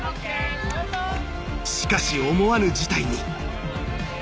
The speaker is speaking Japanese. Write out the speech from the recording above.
［しかし思わぬ事態に］